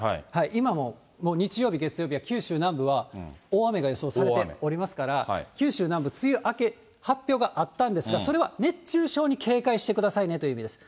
今も、もう日曜日、月曜日は九州南部は大雨が予想されておりますから、九州南部、梅雨明け、発表があったんですが、それは熱中症に警戒してくださいねという意味です。